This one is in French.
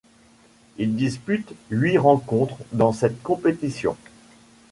Il dispute huit rencontres dans cette compétition.